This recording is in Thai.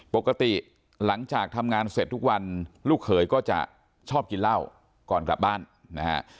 ปกติหลังจากทำงานเสร็จทุกวันลูกเขยก็จะชอบกินเหล้าก่อนกลับบ้านนะฮะ